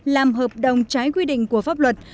làm hợp đồng trái quy định của pháp luật